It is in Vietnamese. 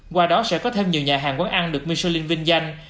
qua đó sẽ có thêm nhiều nhà hàng quán ăn được michelin vinh danh